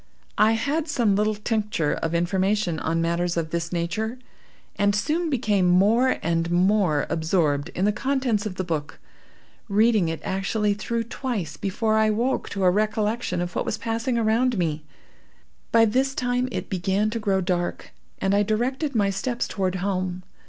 I had some little tincture of information on matters of this nature, and soon became more and more absorbed in the contents of the book, reading it actually through twice before I awoke to a recollection of what was passing around me. By this time it began to grow dark, and I directed my steps toward home.